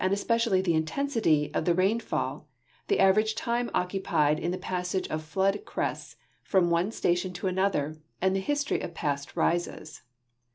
especially the intensity, of the rainfall, the average time occupied in the passage of flood crests from one station to anotlier, and the history of past rises.